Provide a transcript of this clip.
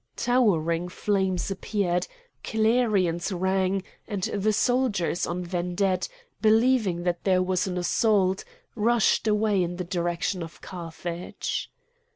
Towering flames appeared; clarions rang; and the soldiers on vedette, believing that there was an assault, rushed away in the direction of Carthage.